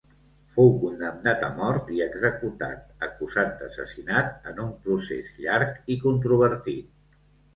Fou condemnat a mort i executat acusat d'assassinat en un procés llarg i controvertit.